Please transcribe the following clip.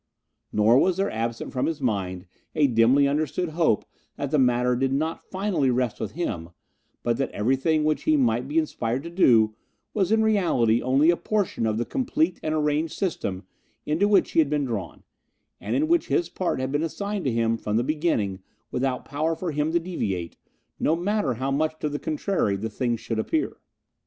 Nor was there absent from his mind a dimly understood hope that the matter did not finally rest with him, but that everything which he might be inspired to do was in reality only a portion of the complete and arranged system into which he had been drawn, and in which his part had been assigned to him from the beginning without power for him to deviate, no matter how much to the contrary the thing should appear.